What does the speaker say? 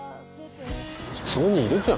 普通にいるじゃん